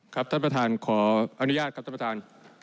ท่านประธานขออนุญาตครับท่านประธาน